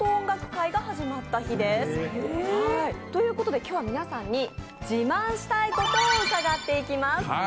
今日は皆さんに自慢したいことを伺っていきます。